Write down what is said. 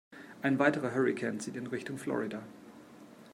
Ein weiterer Hurrikan zieht in Richtung Florida.